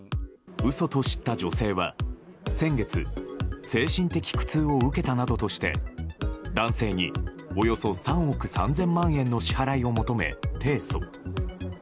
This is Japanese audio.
嘘と知った女性は、先月精神的苦痛を受けたなどとして男性におよそ３億３０００万円の支払いを求め提訴。